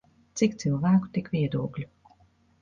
Cik cilvēku tik viedokļu.